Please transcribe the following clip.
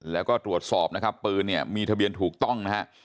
แล้วก็ตรวจสอบนะครับปืนเนี่ยมีทะเบียนถูกต้องนะฮะ